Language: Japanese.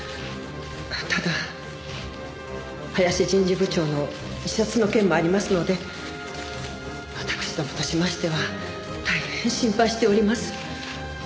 ただ林人事部長の自殺の件もありますので私どもとしましては大変心配しております。